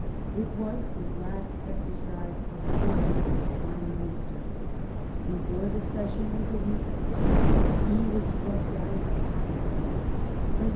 It was his last exercise of authority as Prime Minister. Before the session was a week old he was struck down by apoplexy (Feb.